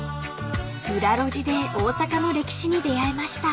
［裏路地で大阪の歴史に出合いました］